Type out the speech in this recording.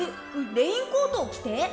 レインコートをきて？